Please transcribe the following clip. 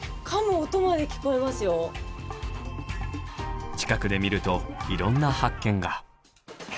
近くで見るといろんな発見が！